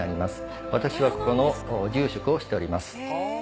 私はここの住職をしております。